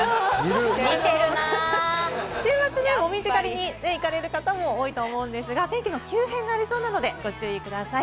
週末、もみじ狩りに行かれる方も多いと思うんですが、天気の急変がありそうなので、ご注意ください。